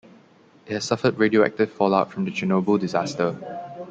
It has suffered radioactive fallout from the Chernobyl disaster.